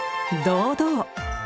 堂々！